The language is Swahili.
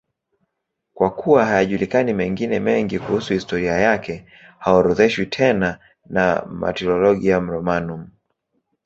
Kwa kuwa hayajulikani mengine mengi kuhusu historia yake, haorodheshwi tena na Martyrologium Romanum.